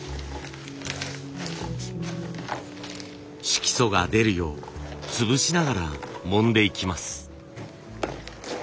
色素が出るよう潰しながらもんでいきます。